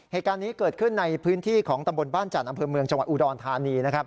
เหตุการณ์นี้เกิดขึ้นในพื้นที่ของตำบลบ้านจันทร์อำเภอเมืองจังหวัดอุดรธานีนะครับ